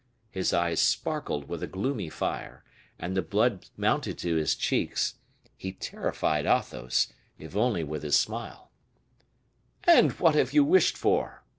His eyes sparkled with a gloomy fire, and the blood mounted to his cheeks; he terrified Athos, if only with his smile. "And what have you wished for?"